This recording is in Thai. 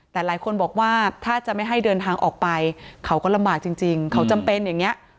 แต่หลายคนบอกว่าถ้าจะไม่ให้เดินทางออกไปเขาก็ลำบากจริงเขาจำเป็นอย่างนี้